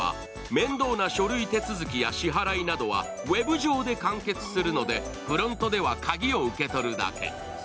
面倒な書類手続きや支払いなどはウェブ上で完結するのでフロントでは鍵を受け取るだけ。